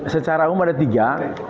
secara umum ada tiga